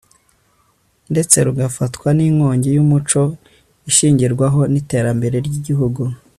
ndetse rugafatwa nk'ingobyi y'umuco ishingirwaho n'iterambere ry'igihugu